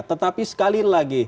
tetapi sekali lagi